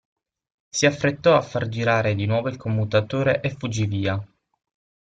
Si affrettò a far girare di nuovo il commutatore e fuggì via.